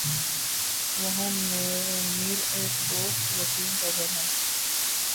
وہاں میر ایک دوست وسیم کا گھر ہے